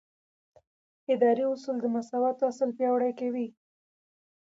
اداري اصول د مساوات اصل پیاوړی کوي.